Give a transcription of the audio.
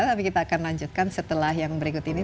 tapi kita akan lanjutkan setelah yang berikut ini